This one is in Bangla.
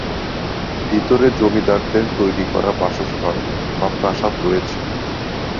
ভিতরে জমিদারদের তৈরি করা বাসস্থান বা প্রাসাদ রয়েছে।